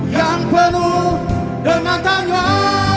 yang penuh dengan tanah